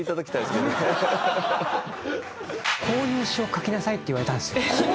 こういう詞を書きなさいって言われたんですよ。